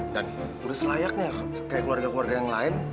dan udah selayaknya kayak keluarga keluarga yang lain